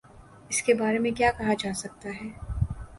اس کے بارے میں کیا کہا جا سکتا ہے۔